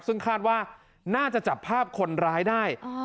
ซึ่งคาดว่าน่าจะจับภาพคนร้ายได้